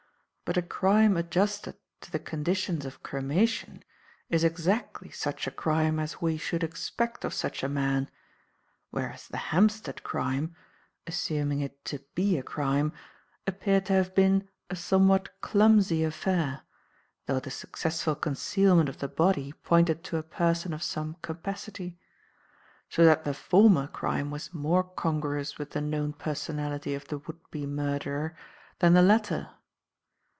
But a crime adjusted, to the conditions of cremation is exactly such a crime as we should expect of such a man; whereas the Hampstead crime assuming it to be a crime appeared to have been a somewhat clumsy affair, though the successful concealment of the body pointed to a person of some capacity. So that the former crime was more congruous with the known personality of the would be murderer than the latter.